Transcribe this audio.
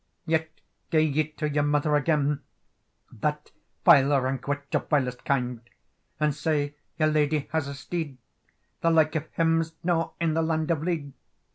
"Yet gae ye to your mother again, That vile rank witch, of vilest kind And say, your ladye has a steed, The like of him's no in the land of Leed.